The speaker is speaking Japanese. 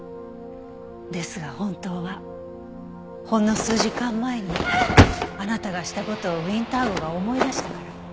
ですが本当はほんの数時間前にあなたがした事をウィンター号が思い出したから。